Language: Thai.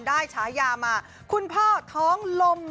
ฉายามาคุณพ่อท้องลม